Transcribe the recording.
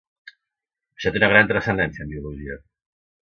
Això té una gran transcendència en biologia.